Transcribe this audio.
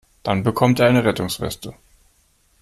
Dann bekommt er eine Rettungsweste.